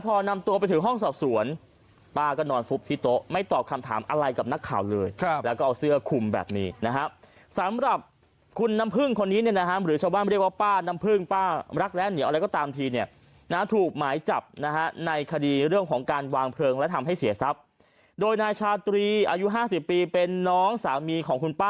พอนำตัวไปถึงห้องสอบสวนป้าก็นอนฟุบที่โต๊ะไม่ตอบคำถามอะไรกับนักข่าวเลยครับแล้วก็เอาเสื้อคุมแบบนี้นะฮะสำหรับคุณน้ำพึ่งคนนี้เนี่ยนะฮะหรือชาวบ้านเรียกว่าป้าน้ำพึ่งป้ารักและเหนียวอะไรก็ตามทีเนี่ยนะถูกหมายจับนะฮะในคดีเรื่องของการวางเพลิงและทำให้เสียทรัพย์โดยนายชาตรีอายุ๕๐ปีเป็นน้องสามีของคุณป้า